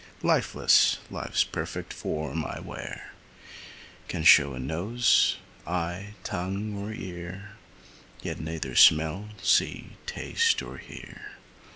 Lifeless, life's perfect form I wear, Can show a nose, eye, tongue, or ear, Yet neither smell, see, taste, or hear.